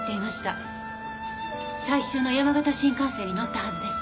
最終の山形新幹線に乗ったはずです。